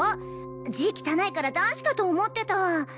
字汚いから男子かと思ってた！